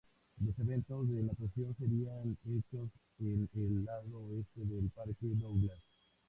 Los eventos de natación serían hechos en el lado oeste del Parque Douglas.